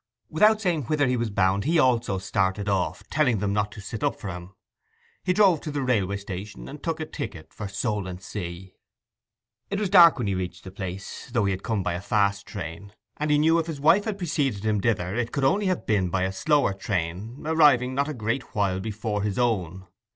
Without saying whither he was bound he also started off, telling them not to sit up for him. He drove to the railway station, and took a ticket for Solentsea. It was dark when he reached the place, though he had come by a fast train, and he knew that if his wife had preceded him thither it could only have been by a slower train, arriving not a great while before his own.